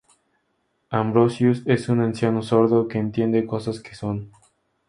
Ambrosius es un anciano sordo, que entiende cosas que no son.